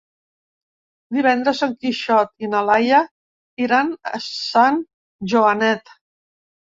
Divendres en Quixot i na Laia iran a Sant Joanet.